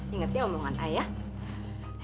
ingat ya omongan ayah